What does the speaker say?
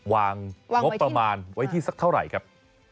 วางงบประมาณไว้ที่สักเท่าไหร่ครับ